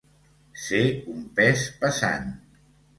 Ser un pes pesant.